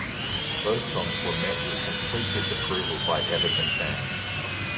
Both songs were met with complete disapproval by Everton fans.